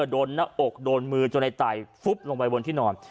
โดนหน้าอกโดนมือจนในไต่ฟุบลงไปบนที่นอน